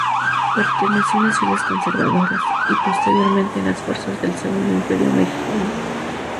Perteneció en las filas conservadoras y posteriormente en las fuerzas del Segundo Imperio Mexicano.